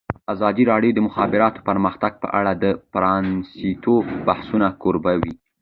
ازادي راډیو د د مخابراتو پرمختګ په اړه د پرانیستو بحثونو کوربه وه.